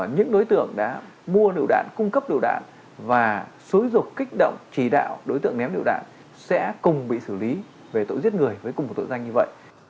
những đối tượng đã mua nửu đạn cung cấp nửu đạn và xối dục kích động chỉ đạo đối tượng ném nửu đạn sẽ cùng bị xử lý về tội giết người với cùng một tội danh như vậy